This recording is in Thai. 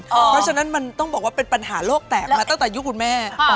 เพราะฉะนั้นมันต้องบอกว่าเป็นปัญหาโรคแตกมาตั้งแต่ยุคคุณแม่